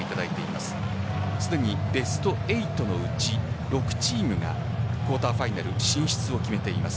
すでにベスト８のうち６チームがクォーターファイナル進出を決めています。